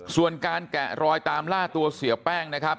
ส่วนการแกะรอยตามล่าตัวเสียแป้งนะครับ